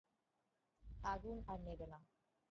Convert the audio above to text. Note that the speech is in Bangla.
আগুন আর নেবে না।